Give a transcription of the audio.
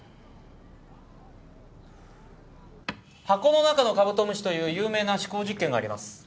箱の中のカブトムシという有名な思考実験があります。